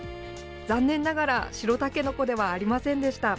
残念ながら白たけのこではありませんでした。